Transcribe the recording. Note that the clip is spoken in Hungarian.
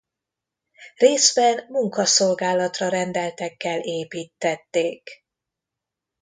Részben munkaszolgálatra rendeltekkel építtették.